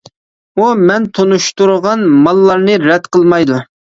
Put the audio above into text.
ئۇ مەن تونۇشتۇرغان ماللارنى رەت قىلمايدۇ.